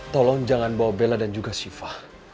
tolong jangan bawa bella dan juga shiva